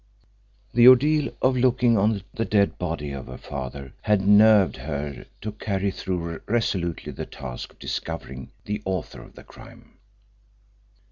The ordeal of looking on the dead body of her father had nerved her to carry through resolutely the task of discovering the author of the crime.